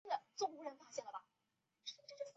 国际论坛设计担任主席。